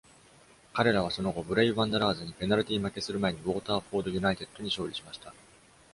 彼らはその後、ブレイ・ワンダラーズにペナルティ負けする前にウォーターフォード・ユナイテッドに勝利しました。